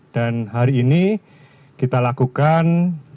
dan hari ini kita lakukan